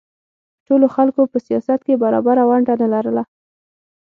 ټولو خلکو په سیاست کې برابره ونډه نه لرله.